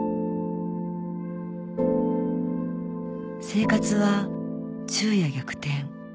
生活は昼夜逆転